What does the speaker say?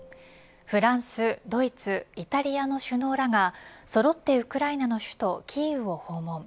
フランス、ドイツイタリアの首脳らがそろってウクライナの首都キーウを訪問。